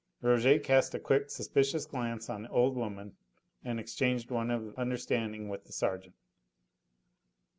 Rouget cast a quick, suspicious glance on the old woman, and exchanged one of understanding with the sergeant.